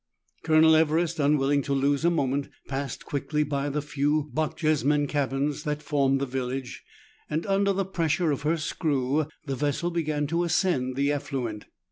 Colonel Everest, unwilling to lose a moment, passed quickly by the few Bochjesmen cabins that form the village, and under the pressure of her screw, the vessel began to ascend the affluent.